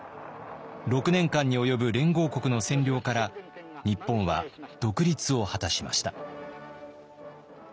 ６年間に及ぶ連合国の占領から日本は独立を果たしました。